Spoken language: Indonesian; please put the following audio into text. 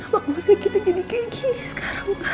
kenapa keluarga kita jadi kayak gini sekarang pak